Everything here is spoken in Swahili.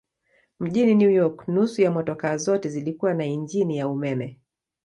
Mjini New York nusu ya motokaa zote zilikuwa na injini ya umeme.